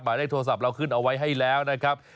หมายเลขโทรศัพท์เราขึ้นเอาไว้ให้แล้วนะครับ